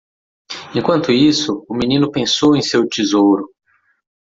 Enquanto isso, o menino pensou em seu tesouro.